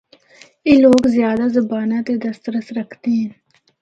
اے لوگ زیادہ زباناں تے دسترس رکھدے ہن۔